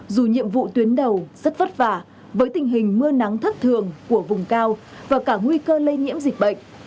dù nhiệm vụ tuyến đầu rất vất vả với tình hình mưa nắng thất thường của vùng cao và cả nguy cơ lây nhiễm dịch bệnh